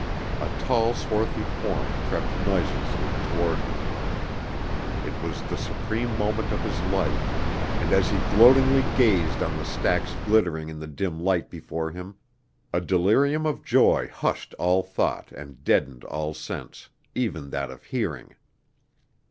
A tall, swarthy form crept noiselessly toward him! It was the supreme moment of his life, and as he gloatingly gazed on the stacks glittering in the dim light before him, a delirium of joy hushed all thought and deadened all sense, even that of hearing.